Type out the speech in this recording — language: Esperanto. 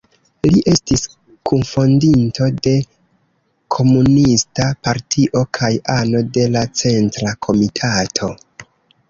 Li estis kunfondinto de komunista partio kaj ano de la centra komitato.